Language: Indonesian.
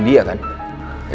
jadi selidikin dia kan